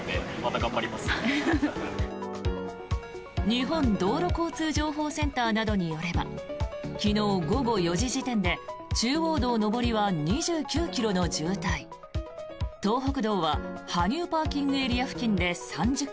日本道路交通情報センターなどによれば昨日午後４時時点で中央道上りは２９ｋｍの渋滞東北道は羽生ＰＡ付近で３０ｋｍ